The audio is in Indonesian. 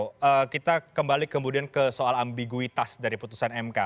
oke kita kembali kemudian ke soal ambiguitas dari putusan mk